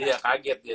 iya kaget dia